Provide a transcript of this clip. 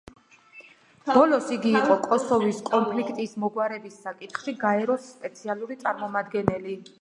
ბოლოს იგი იყო კოსოვოს კონფლიქტის მოგვარების საკითხში გაეროს სპეციალური წარმომადგენელი.